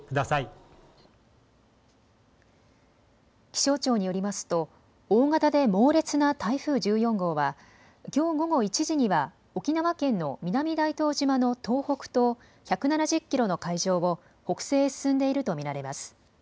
気象庁によりますと大型で猛烈な台風１４号はきょう午後１時には沖縄県の南大東島の東北東１７０キロの海上を北西へ進んでいると見られます。